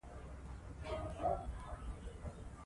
تر څو میلمه ته ښه ډوډۍ ورکړو.